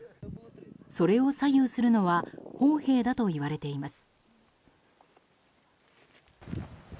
それを左右するのは砲兵だといわれています。